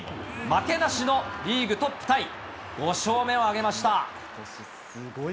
負けなしのリーグトップタイ、５勝目を挙げました。